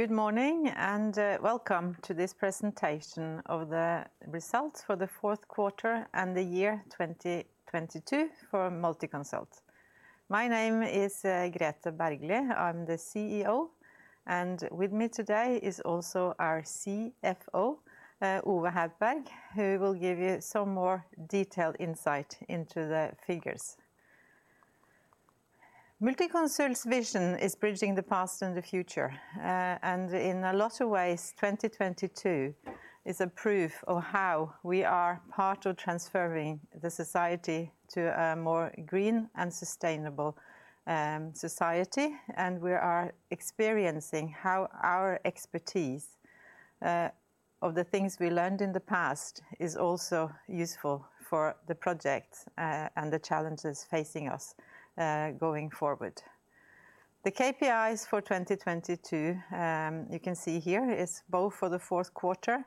Good morning and welcome to this presentation of the results for the fourth quarter and the year 2022 for Multiconsult. My name is Grethe Bergly. I'm the CEO and with me today is also our CFO, Ove B. Haupberg, who will give you some more detailed insight into the figures. Multiconsult's vision is bridging the past and the future. In a lot of ways, 2022 is a proof of how we are part of transferring the society to a more green and sustainable society. We are experiencing how our expertise of the things we learned in the past is also useful for the projects and the challenges facing us going forward. The KPIs for 2022, you can see here is both for the fourth quarter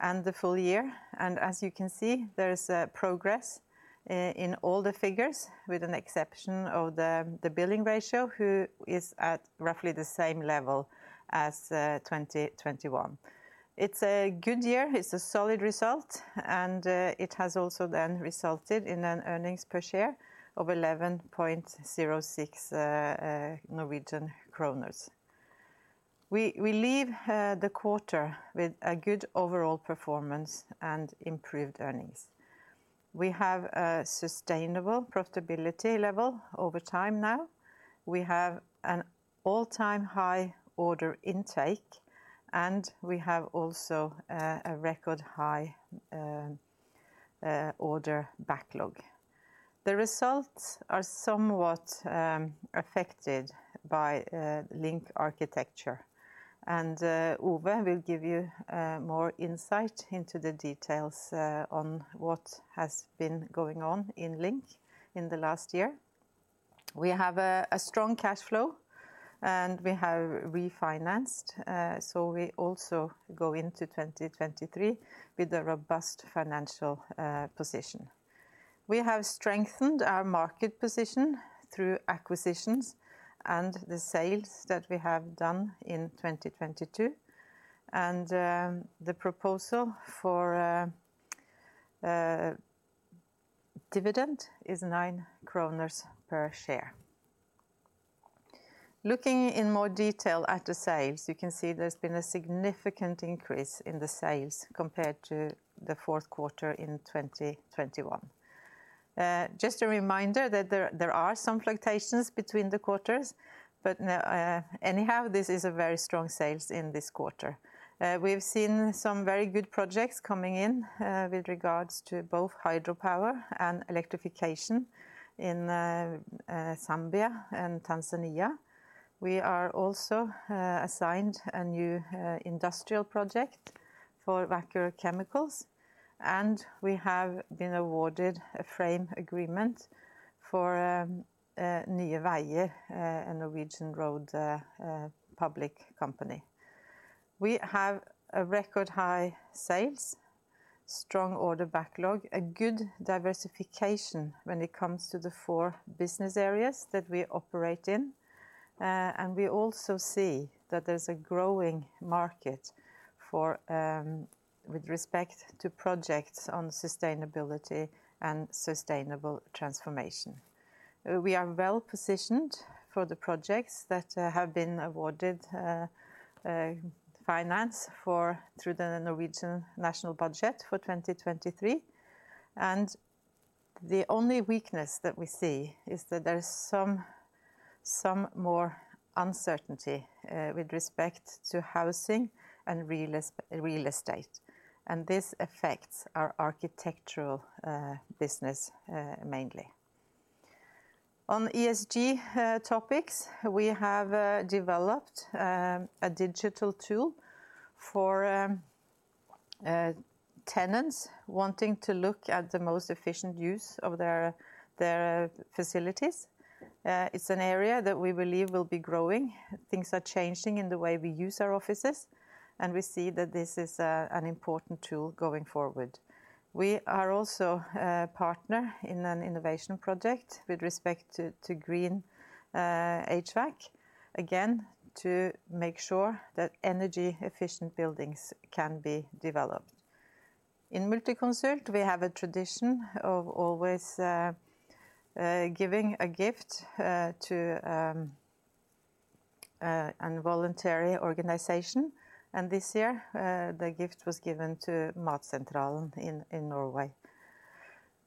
and the full year. As you can see, there is progress in all the figures with an exception of the billing ratio, who is at roughly the same level as 2021. It's a good year, it's a solid result, and it has also then resulted in an earnings per share of 11.06 Norwegian kroner. We leave the quarter with a good overall performance and improved earnings. We have a sustainable profitability level over time now. We have an all-time high order intake, and we have also a record high order backlog. The results are somewhat affected by LINK arkitektur, and Ove will give you more insight into the details on what has been going on in LINK in the last year. We have a strong cash flow and we have refinanced, so we also go into 2023 with a robust financial position. We have strengthened our market position through acquisitions and the sales that we have done in 2022. The proposal for dividend is 9 kroner per share. Looking in more detail at the sales, you can see there's been a significant increase in the sales compared to the fourth quarter in 2021. Just a reminder that there are some fluctuations between the quarters, but anyhow, this is a very strong sales in this quarter. We've seen some very good projects coming in with regards to both hydropower and electrification in Zambia and Tanzania.We are also assigned a new industrial project for Wacker Chemicals, and we have been awarded a frame agreement for Nye Veier, a Norwegian road public company. We have a record high sales, strong order backlog, a good diversification when it comes to the four business areas that we operate in. We also see that there's a growing market for with respect to projects on sustainability and sustainable transformation. We are well-positioned for the projects that have been awarded finance for through the Norwegian national budget for 2023. The only weakness that we see is that there is some more uncertainty with respect to housing and real estate, and this affects our architectural business mainly. On ESG topics, we have developed a digital tool for tenants wanting to look at the most efficient use of their facilities. It's an area that we believe will be growing. Things are changing in the way we use our offices, we see that this is an important tool going forward. We are also a partner in an innovation project with respect to green HVAC, again, to make sure that energy efficient buildings can be developed. In Multiconsult, we have a tradition of always giving a gift to a voluntary organization. This year, the gift was given to Matsentralen in Norway.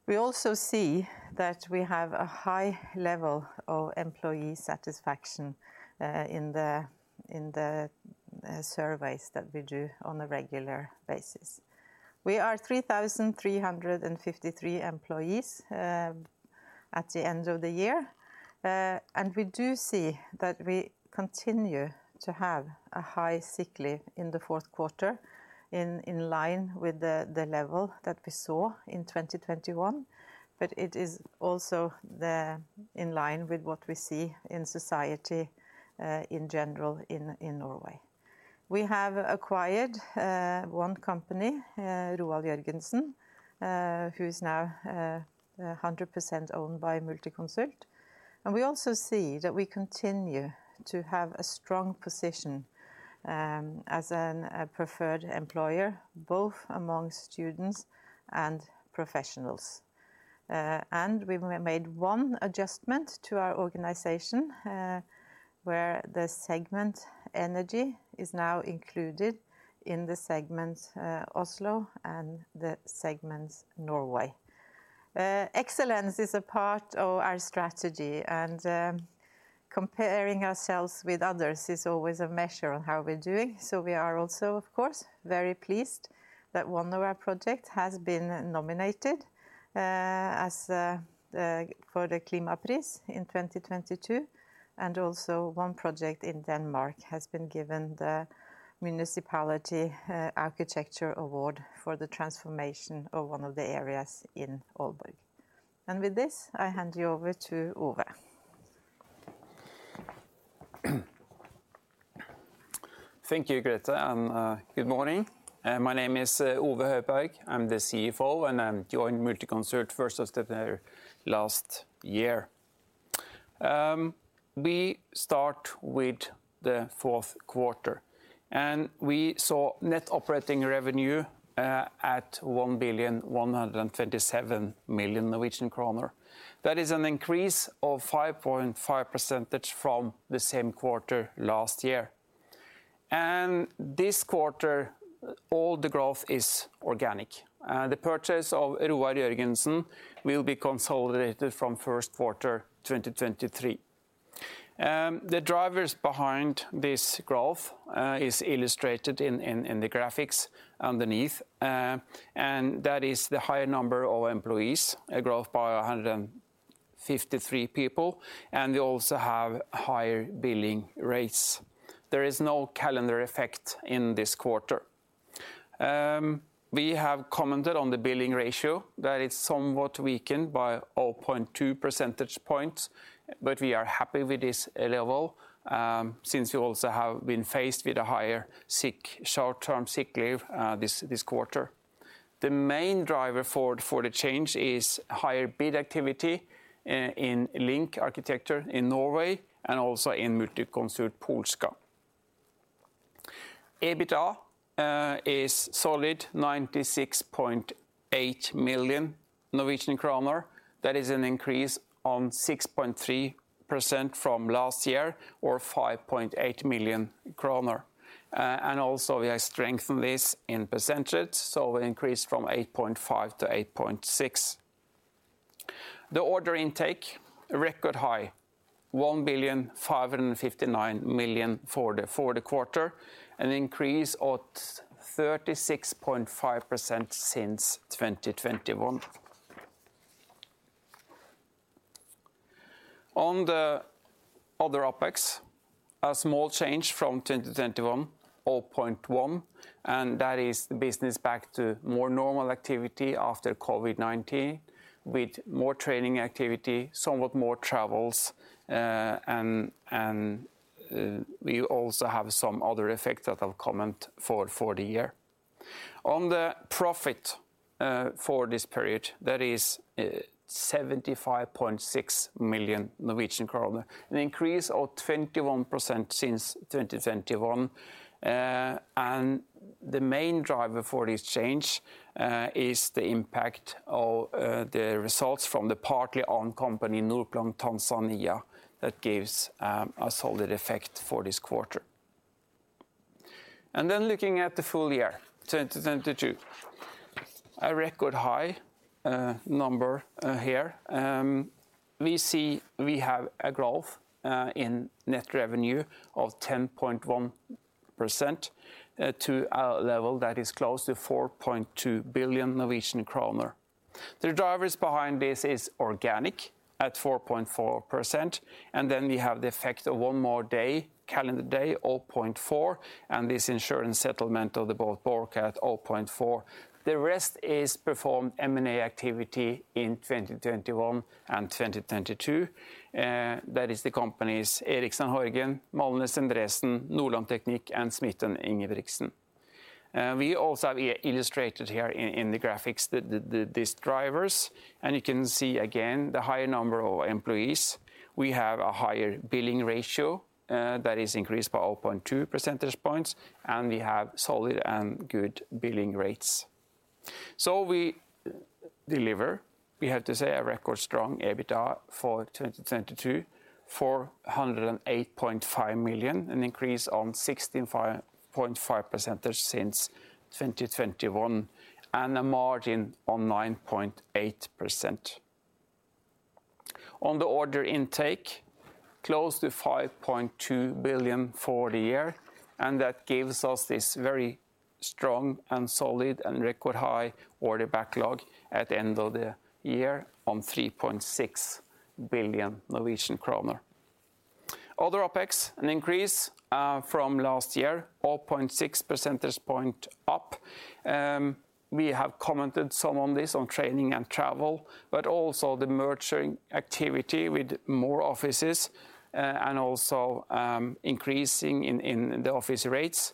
We also see that we have a high level of employee satisfaction in the surveys that we do on a regular basis. We are 3,353 employees at the end of the year. We do see that we continue to have a high sick leave in the fourth quarter in line with the level that we saw in 2021. It is also in line with what we see in society in general in Norway. We have acquired one company, Roar Jørgensen, who is now 100% owned by Multiconsult. We also see that we continue to have a strong position as an preferred employer, both among students and professionals. We've made 1 adjustment to our organization where the segment energy is now included in the segment Oslo and the segment Norway. Excellence is a part of our strategy, and comparing ourselves with others is always a measure on how we're doing. We are also, of course, very pleased that one of our project has been nominated as for the Klimapris in 2022, and also one project in Denmark has been given the Municipality Architecture Award for the transformation of one of the areas in Aalborg. With this, I hand you over to Ove. Thank you, Grethe, good morning. My name is Ove B. Haupberg. I'm the CFO, and I joined Multiconsult first of February last year. We start with the fourth quarter, and we saw net operating revenue at 1,127 million Norwegian kroner. That is an increase of 5.5% from the same quarter last year. This quarter, all the growth is organic. The purchase of Roar Jørgensen will be consolidated from first quarter 2023. The drivers behind this growth is illustrated in the graphics underneath. That is the higher number of employees, a growth by 153 people, and we also have higher billing rates. There is no calendar effect in this quarter. We have commented on the billing ratio that is somewhat weakened by 0.2% points, we are happy with this level, since we also have been faced with a higher short-term sick leave this quarter. The main driver for the change is higher bid activity in LINK Arkitektur in Norway and also in Multiconsult Polska. EBITDA is solid 96.8 million Norwegian kroner. That is an increase on 6.3% from last year or 5.8 million kroner. Also, we have strengthened this in percentage, so we increased from 8.5% to 8.6%. The order intake, a record high, 1,559 million for the quarter, an increase of 36.5% since 2021.On the other OpEx, a small change from 2021, 0.1. That is the business back to more normal activity after COVID-19 with more training activity, somewhat more travels, and we also have some other effects that I'll comment for the year. On the profit for this period, that is 75.6 million Norwegian kroner, an increase of 21% since 2021. The main driver for this change is the impact of the results from the partly owned company Norplan Tanzania that gives a solid effect for this quarter. Looking at the full year, 2022, a record high number here. We see we have a growth in net revenue of 10.1% to a level that is close to 4.2 billion Norwegian kroner. The drivers behind this is organic at 4.4%, we have the effect of one more day, calendar day, 0.4, and this insurance settlement of the boat Borkum 0.4. The rest is performed M&A activity in 2021 and 2022. That is the companies Erichsen & Horgen, Malnes og Endresen, Norplan Teknikk, and Smith & Ingebrigtsen. We also illustrated here in the graphics these drivers, you can see again the higher number of employees. We have a higher billing ratio that is increased by 0.2% points, and we have solid and good billing rates. We deliver, we have to say, a record strong EBITDA for 2022, NOK 408.5 million, an increase on 65.5% since 2021 and a margin on 9.8%. On the order intake, close to 5.2 billion for the year, and that gives us this very strong and solid and record high order backlog at the end of the year on 3.6 billion Norwegian kroner. Other OpEx, an increase from last year, 0.6% point up. We have commented some on this on training and travel, but also the merging activity with more offices, and also increasing in the office rates,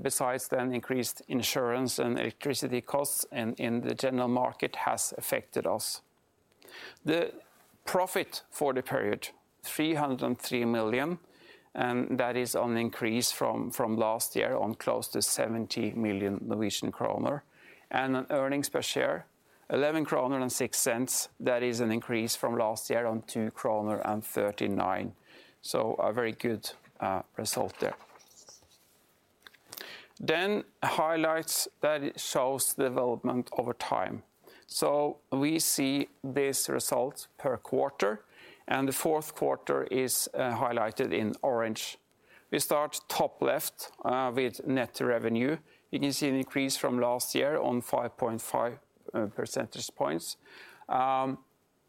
besides then increased insurance and electricity costs in the general market has affected us. The profit for the period, 303 million, that is an increase from last year on close to 70 million Norwegian kroner. On earnings per share, 11.06 kroner, that is an increase from last year on 2.39 kroner. A very good result there. Highlights that it shows the development over time. We see these results per quarter, the fourth quarter is highlighted in orange. We start top left with net revenue. You can see an increase from last year on 5.5% points.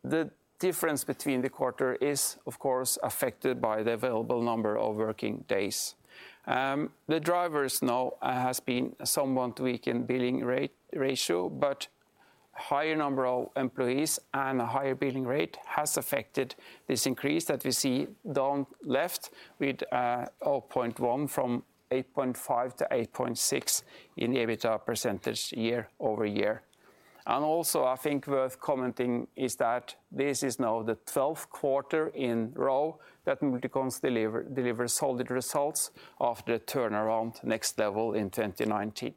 The difference between the quarter is of course affected by the available number of working days. The drivers now has been somewhat weakened billing rate-ratio, but higher number of employees and a higher billing rate has affected this increase that we see down left with 0.1 from 8.5-8.6 in the EBITDA % year-over-year. I think worth commenting is that this is now the 12th quarter in row that Multiconsult delivers solid results after the turnaround Next Level in 2019.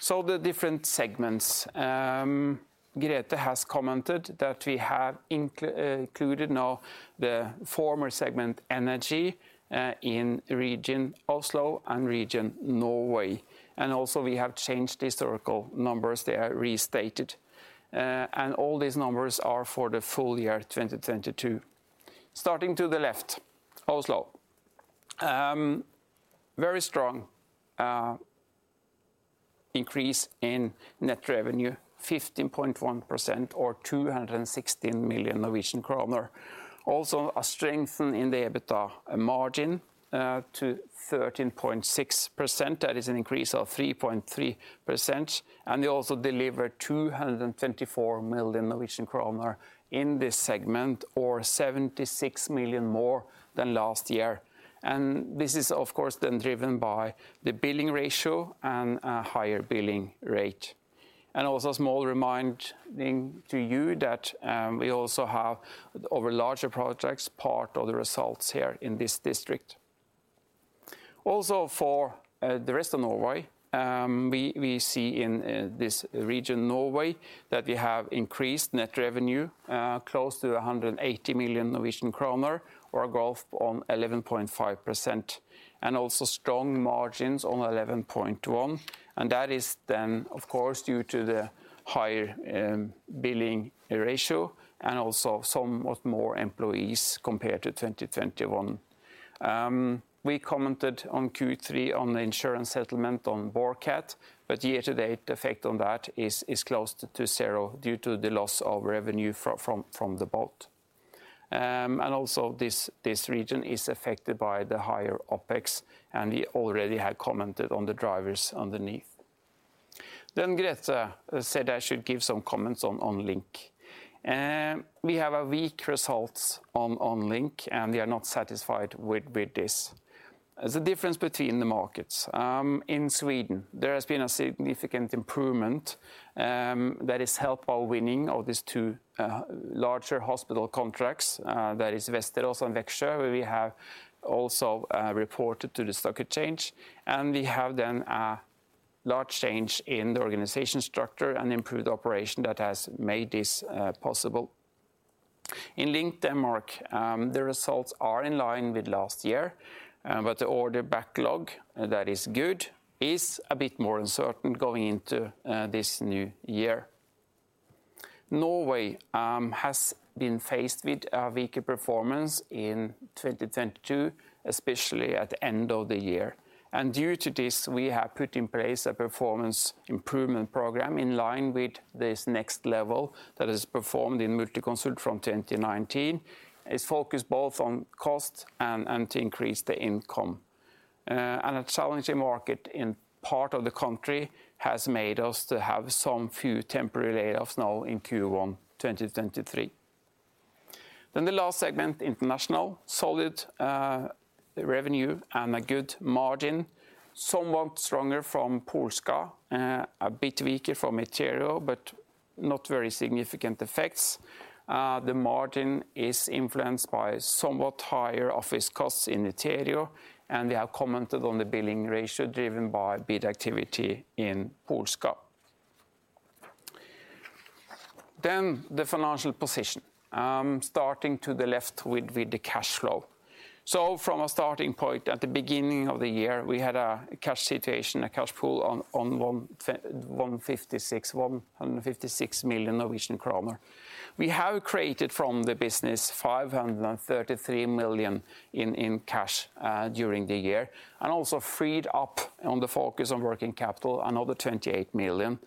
The different segments. Grethe has commented that we have included now the former segment energy in region Oslo and region Norway. We have changed the historical numbers, they are restated. All these numbers are for the full year 2022. Starting to the left, Oslo. Very strong increase in net revenue, 15.1% or 216 million Norwegian kroner. A strengthen in the EBITDA margin to 13.6%, that is an increase of 3.3%. They also delivered 224 million Norwegian kroner in this segment, or 76 million more than last year. This is of course then driven by the billing ratio and a higher billing rate. Also a small reminding to you that we also have over larger projects, part of the results here in this district. For the rest of Norway, we see in this region Norway that we have increased net revenue close to 180 million Norwegian kroner or a growth on 11.5%. Also strong margins on 11.1%, and that is then of course due to the higher billing ratio and also somewhat more employees compared to 2021. We commented on Q3 on the insurance settlement on Borkum, but year to date, the effect on that is close to zero due to the loss of revenue from the boat. Also this region is affected by the higher OPEX, and we already had commented on the drivers underneath. Grethe said I should give some comments on LINK. We have a weak results on LINK, and we are not satisfied with this. There's a difference between the markets.In Sweden, there has been a significant improvement, that is helped by winning of these two larger hospital contracts, that is Västerås and Växjö, where we have also reported to the stock exchange. We have then a large change in the organization structure and improved operation that has made this possible. In LINK Denmark, the results are in line with last year, but the order backlog that is good is a bit more uncertain going into this new year. Norway has been faced with a weaker performance in 2022, especially at the end of the year. Due to this, we have put in place a performance improvement program in line with this Next Level that is performed in Multiconsult from 2019. It's focused both on cost and to increase the income. A challenging market in part of the country has made us to have some few temporary layoffs now in Q1 2023. The last segment, international. Solid revenue and a good margin. Somewhat stronger from Polska, a bit weaker from Iterio, but not very significant effects. The margin is influenced by somewhat higher office costs in Iterio, and we have commented on the billing ratio driven by bid activity in Polska. The financial position. Starting to the left with the cash flow. From a starting point at the beginning of the year, we had a cash situation, a cash pool on 156 million. We have created from the business 533 million in cash during the year, and also freed up on the focus on working capital another 28 million.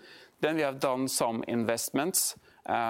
We have done some investments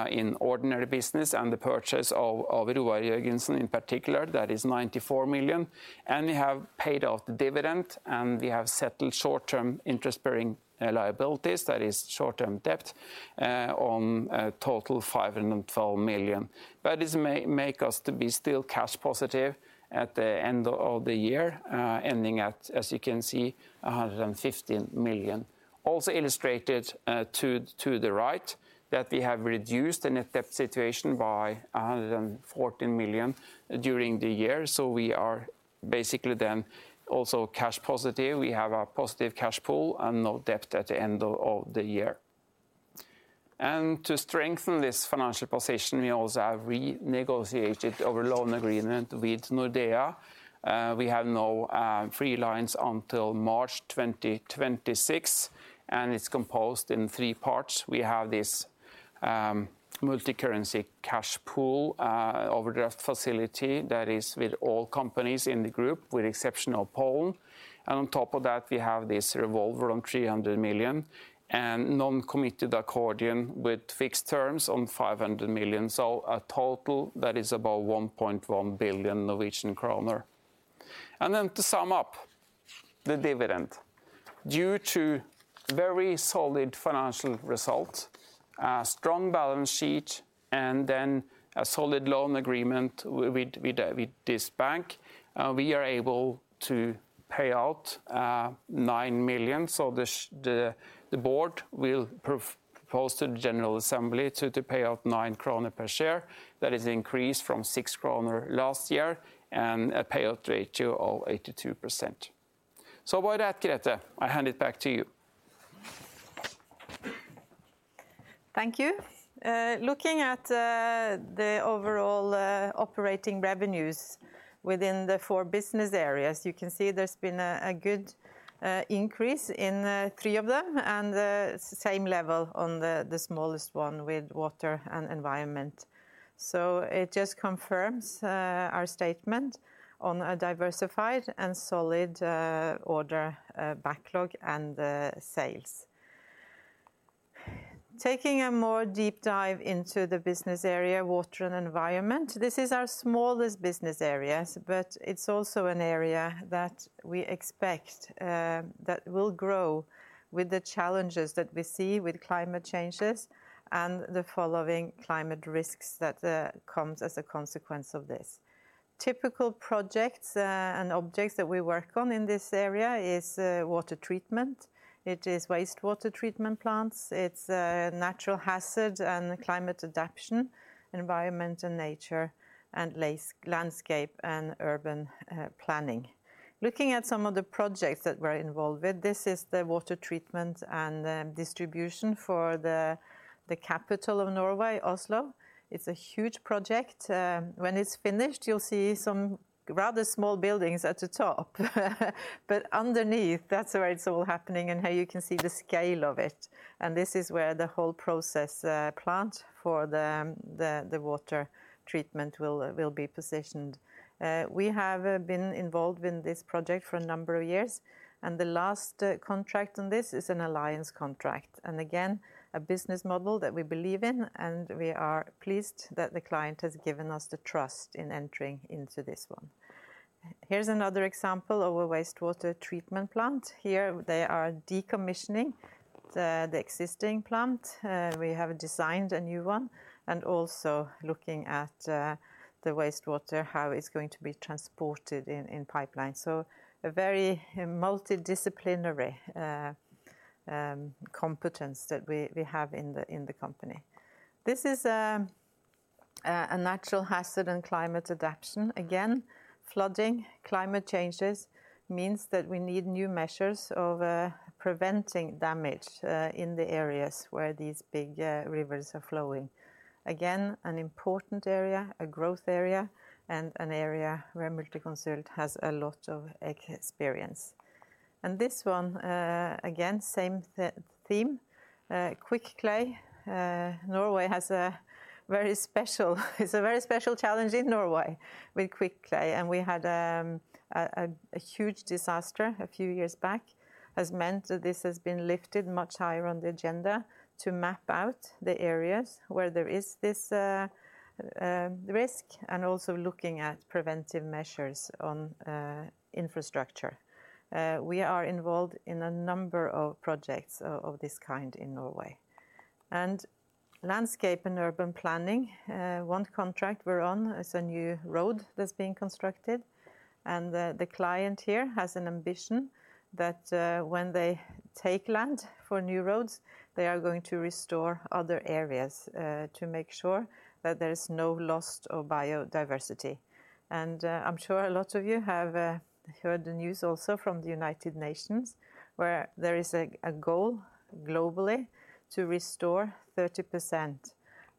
in ordinary business and the purchase of Roar Jørgensen in particular, that is 94 million. We have paid off the dividend, and we have settled short-term interest-bearing liabilities, that is short-term debt, on a total 512 million. This make us to be still cash positive at the end of the year, ending at, as you can see, 115 million. Also illustrated to the right that we have reduced the net debt situation by 114 million during the year. We are basically then also cash positive. We have a positive cash pool and no debt at the end of the year. To strengthen this financial position, we also have renegotiated our loan agreement with Nordea. We have now three lines until March 2026, and it's composed in three parts. We have this multicurrency cash pool overdraft facility that is with all companies in the group with exception of Poland. On top of that, we have this revolver on 300 million and non-committed accordion with fixed terms on 500 million. A total that is about 1.1 billion Norwegian kroner. To sum up the dividend. Due to very solid financial results, a strong balance sheet, and then a solid loan agreement with this bank, we are able to pay out 9 million. The board will propose to the general assembly to pay out 9 kroner per share. That is increased from 6 kroner last year and a payout rate to all 82%. With that, Grethe, I hand it back to you. Thank you. Looking at the overall operating revenues within the four business areas, you can see there's been a good increase in three of them and the same level on the smallest one with water and environment. It just confirms our statement on a diversified and solid order backlog and sales. Taking a more deep dive into the business area, water and environment, this is our smallest business areas, but it's also an area that we expect that will grow with the challenges that we see with climate changes and the following climate risks that comes as a consequence of this. Typical projects and objects that we work on in this area is water treatment. It is wastewater treatment plants. It's natural hazard and climate adaption, environment and nature, and landscape and urban planning. Looking at some of the projects that we're involved with, this is the water treatment and distribution for the capital of Norway, Oslo. It's a huge project. When it's finished, you'll see some rather small buildings at the top. Underneath, that's where it's all happening and how you can see the scale of it. This is where the whole process plant for the water treatment will be positioned. We have been involved in this project for a number of years, and the last contract on this is an alliance contract, and again, a business model that we believe in, and we are pleased that the client has given us the trust in entering into this one. Here's another example of a wastewater treatment plant. Here, they are decommissioning the existing plant. We have designed a new one and also looking at the wastewater, how it's going to be transported in pipeline. A very multidisciplinary competence that we have in the company. This is a natural hazard and climate adaption. Again, flooding, climate changes means that we need new measures of preventing damage in the areas where these big rivers are flowing. Again, an important area, a growth area, and an area where Multiconsult has a lot of experience. This one, again, same theme, quick clay. It's a very special challenge in Norway with quick clay. We had a huge disaster a few years back, has meant that this has been lifted much higher on the agenda to map out the areas where there is this risk and also looking at preventive measures on infrastructure. We are involved in a number of projects of this kind in Norway. Landscape and urban planning, one contract we're on is a new road that's being constructed. The client here has an ambition that when they take land for new roads, they are going to restore other areas to make sure that there is no lost of biodiversity. I'm sure a lot of you have heard the news also from the United Nations where there is a goal globally to restore 30%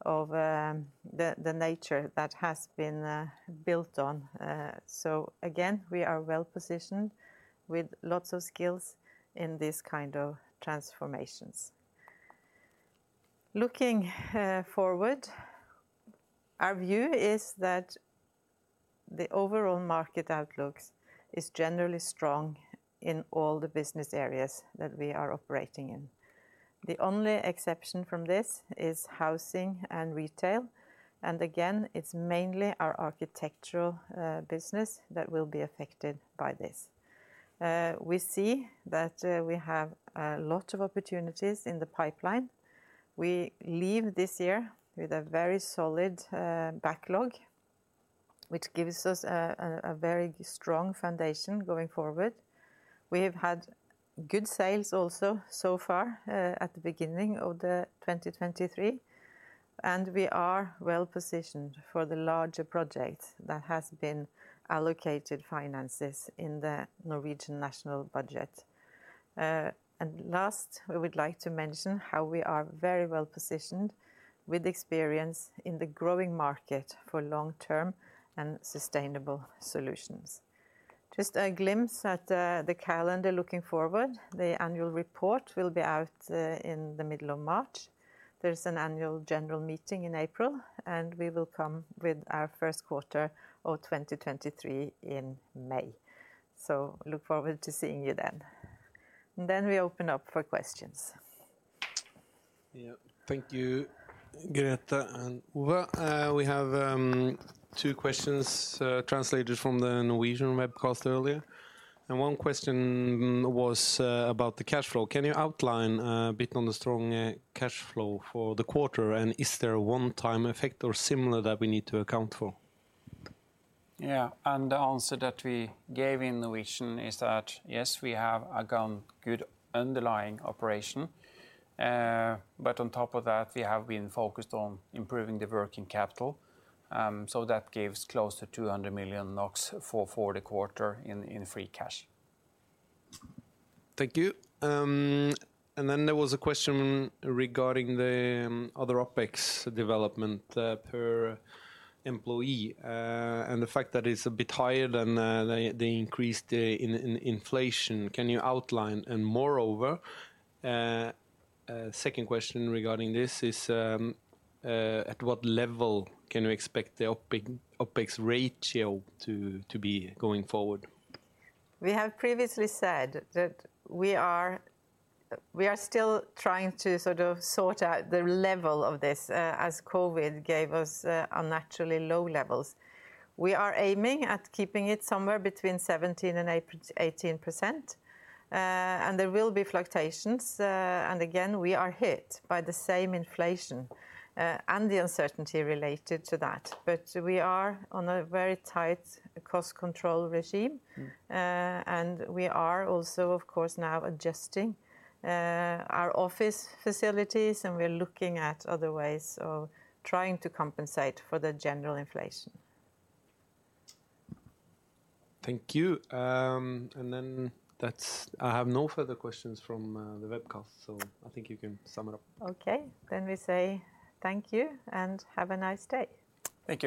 of the nature that has been built on. Again, we are well-positioned with lots of skills in this kind of transformations. Looking forward, our view is that the overall market outlooks is generally strong in all the business areas that we are operating in. The only exception from this is housing and retail. Again, it's mainly our architectural business that will be affected by this. We see that we have a lot of opportunities in the pipeline. We leave this year with a very solid backlog, which gives us a very strong foundation going forward. We have had good sales also so far, at the beginning of 2023. We are well-positioned for the larger project that has been allocated finances in the Norwegian national budget. Last, we would like to mention how we are very well-positioned with experience in the growing market for long-term and sustainable solutions. Just a glimpse at the calendar looking forward, the annual report will be out in the middle of March. There's an annual general meeting in April, we will come with our first quarter of 2023 in May. Look forward to seeing you then. We open up for questions. Yeah. Thank you, Grethe and Ove. We have two questions translated from the Norwegian webcast earlier, and one question was about the cash flow. Can you outline a bit on the strong cash flow for the quarter, and is there a one-time effect or similar that we need to account for? The answer that we gave in Norwegian is that, yes, we have, again, good underlying operation. But on top of that, we have been focused on improving the working capital. That gives close to 200 million NOK for the quarter in free cash. Thank you. There was a question regarding the other OPEX development per employee and the fact that it's a bit higher than the increase in inflation. Can you outline? Moreover, second question regarding this is at what level can we expect the OPEX ratio to be going forward? We have previously said that we are, we are still trying to sort of sort out the level of this, as COVID gave us, unnaturally low levels. We are aiming at keeping it somewhere between 17% and 18%. There will be fluctuations. Again, we are hit by the same inflation, and the uncertainty related to that. We are on a very tight cost control regime. Mm. We are also, of course, now adjusting our office facilities, and we're looking at other ways of trying to compensate for the general inflation. Thank you. I have no further questions from the webcast, so I think you can sum it up. Okay. We say thank you and have a nice day. Thank you.